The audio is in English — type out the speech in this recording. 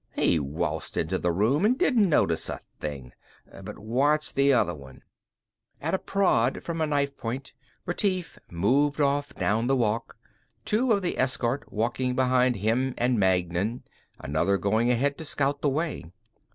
He waltzed into the room and didn't notice a thing. But watch the other one." At a prod from a knife point, Retief moved off down the walk, two of the escort behind him and Magnan, another going ahead to scout the way.